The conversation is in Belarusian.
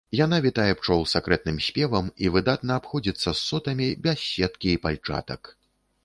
Яна вітае пчол сакрэтным спевам і выдатна абыходзіцца з сотамі без сеткі і пальчатак.